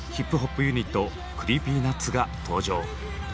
ユニットＣｒｅｅｐｙＮｕｔｓが登場。